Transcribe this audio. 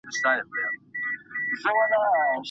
څنګه یو انسان کولای سي له خپلو ماتو څخه درس واخلي؟